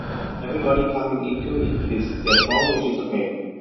Everybody coming into it with their song, which is okay.